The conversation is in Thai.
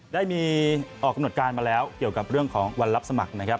ได้มีออกกำหนดการมาแล้วเกี่ยวกับเรื่องของวันรับสมัครนะครับ